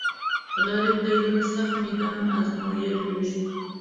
غریب د ژوند سخت میدان ازمویلی وي